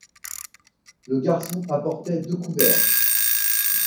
Le garçon apportait deux couverts.